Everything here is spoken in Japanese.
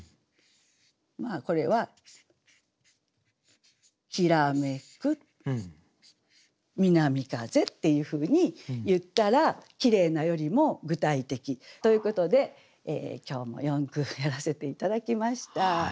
まあこれは「きらめく南風」っていうふうに言ったら「きれいな」よりも具体的ということで今日も４句やらせて頂きました。